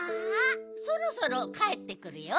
そろそろかえってくるよ。